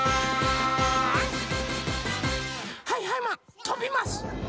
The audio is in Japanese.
はいはいマンとびます！